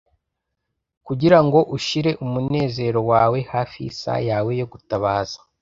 kugirango ushire umunezero wawe hafi yisaha yawe yo gutabaza